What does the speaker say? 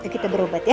kita berobat ya